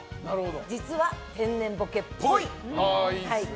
実は天然ボケっぽい。